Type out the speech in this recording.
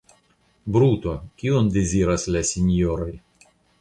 Bruto, kion deziras la sinjoroj?